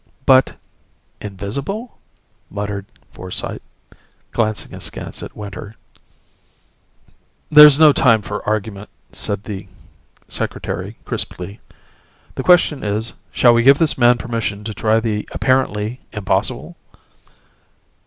"But ... invisible ..." muttered Forsyte, glancing askance at Winter. "There's no time for argument," said the Secretary crisply. "The question is, shall we give this man permission to try the apparently impossible?"